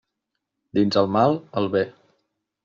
Dins el mal, el bé.